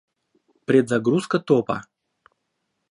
Предзагрузка топа